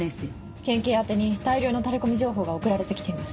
県警宛てに大量のタレコミ情報が送られてきています。